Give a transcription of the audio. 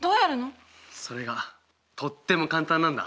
それがとっても簡単なんだ。